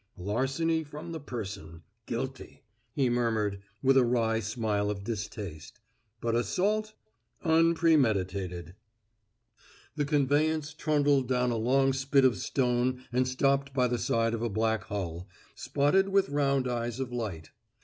"Larceny from the person guilty," he murmured, with a wry smile of distaste. "But assault unpremeditated." The conveyance trundled down a long spit of stone and stopped by the side of a black hull, spotted with round eyes of light.